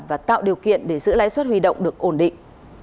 và tạo điều kiện để giữ lãi suất huy động được ổn định